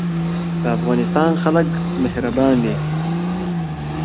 د افغانستان خلک مهربان دي